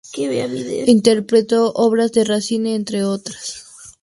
Interpretó obras de Racine entre otras.